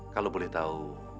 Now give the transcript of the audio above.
kalau boleh tahu